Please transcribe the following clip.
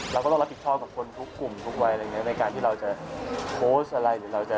เราก็ต้องรับผิดชอบกับคนทุกกลุ่มทุกวัยอะไรอย่างเงี้ในการที่เราจะโพสต์อะไรหรือเราจะ